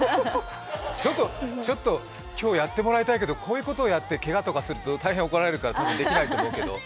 ちょっと今日、やってもらいたいけど、こういうことやってけがとかすると大変怒られるからできないけど。